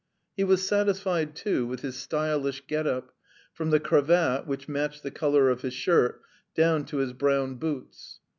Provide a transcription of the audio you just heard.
He was satisfied, too, with his stylish get up, from the cravat, which matched the colour of his shirt, down to his brown boots.